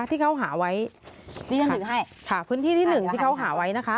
ที่เขาหาไว้นี่ฉันถือให้ค่ะพื้นที่ที่หนึ่งที่เขาหาไว้นะคะ